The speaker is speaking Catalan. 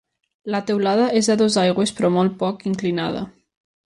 La teulada és a dues aigües però molt poc inclinada.